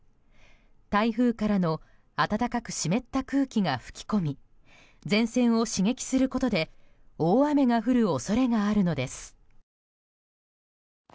台風からの暖かく湿った空気が吹き込み前線を刺激することで大雨が降る恐れがあるのです。